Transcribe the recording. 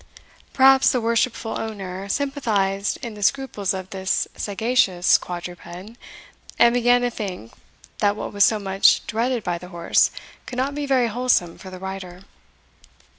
Perhaps the worshipful owner sympathized in the scruples of this sagacious quadruped, and began to think, that what was so much dreaded by the horse could not be very wholesome for the rider.